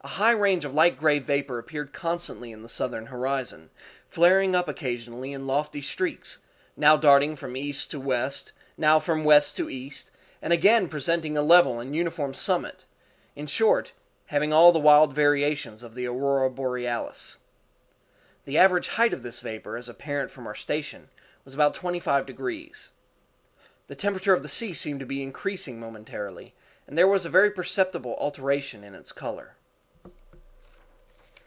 A high range of light gray vapor appeared constantly in the southern horizon, flaring up occasionally in lofty streaks, now darting from east to west, now from west to east, and again presenting a level and uniform summit—in short, having all the wild variations of the Aurora Borealis. The average height of this vapor, as apparent from our station, was about twenty five degrees. The temperature of the sea seemed to be increasing momentarily, and there was a very perceptible alteration in its color.